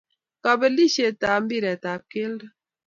kabelishet ab mbiretap keldo